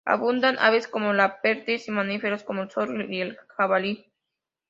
Abundan aves como la perdiz y mamíferos como el zorro y el jabalí.